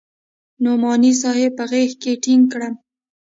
نعماني صاحب په غېږ کښې ټينګ کړم.